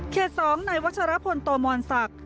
เขตสองในวัชรพลโตมวลศักดิ์